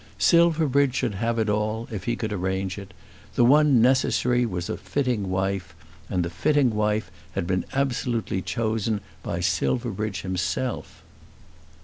Silverbridge should have it all, if he could arrange it. The one thing necessary was a fitting wife; and the fitting wife had been absolutely chosen by Silverbridge himself.